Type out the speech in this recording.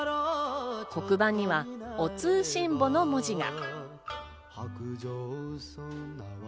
黒板には「おつうしんぼ」の文字が。